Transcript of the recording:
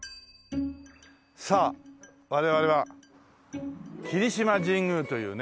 さあ我々は霧島神宮というね